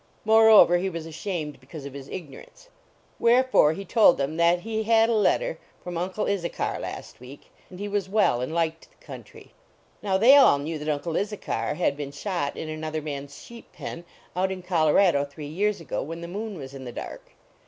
Moreover, he was ashamed because of his ignorance. Where fore he told them that he had a letter from Uncle Issachar last week, and he was well and liked the country. Now, they all knew that Uncle Issachar had been shot in another man s sheep pen, out in Colorado, three years ago, when the moon was in the dark.